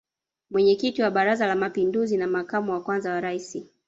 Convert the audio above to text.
Mwenyekiti wa Baraza la mapinduzi na makamu wa kwanza wa Rais